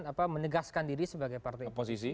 apa menegaskan diri sebagai partai